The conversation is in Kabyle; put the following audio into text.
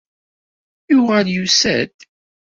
Yuɣal yusa-d.